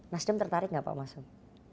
nasdem tertarik gak pak masud